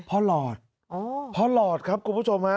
หลอดพ่อหลอดครับคุณผู้ชมฮะ